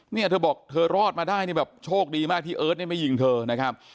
เนี่ยเธอบอกเธอรอดมาได้นี่แบบโชคดีมากที่เอิร์ทเนี่ยไม่ยิงเธอนะครับ